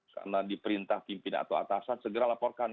karena diperintah pimpin atau atasan segera laporkan